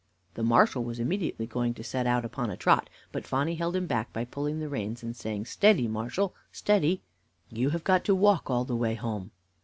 The Marshal was immediately going to set out upon a trot, but Phonny held him back by pulling upon the reins and saying: "Steady, Marshal! steady! You have got to walk all the way home."